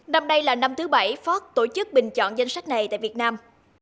năm đây là năm thứ bảy phó tổ chức bình chọn danh sách này tại việt nam